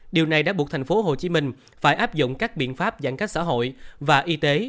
điều này đã buộc thành phố hồ chí minh phải áp dụng các biện pháp giãn cách xã hội và y tế